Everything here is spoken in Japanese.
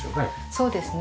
そうですね。